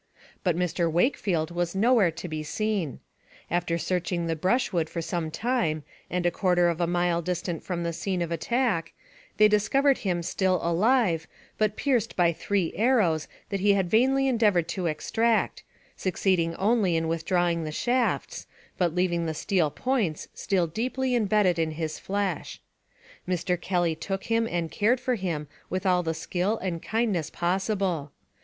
But Mr. Wakefield was nowhere to be seen. After AMONG THE SIOUX INDIANS. 33 searching the brushwood for some time, and a quarter of a mile distant from the scene of attack, they dis covered him still alive, but pierced by three arrows that he had vainly endeavored to extract, succeeding only in withdrawing the shafts, but leaving the steel points still deeply imbedded in the flesh. Mr. Kelly took him and cared for him with all the skill and kindness possible.